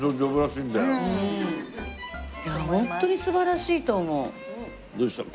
いやホントに素晴らしいと思う。